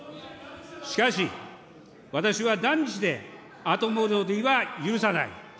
しかし、私は断じて後戻りは許さない。